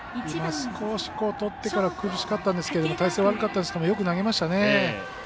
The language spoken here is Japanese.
少し、とってから苦しかったんですけど体勢が悪かったんですけどよく投げましたね。